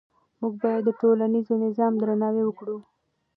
موږ باید د ټولنیز نظام درناوی وکړو.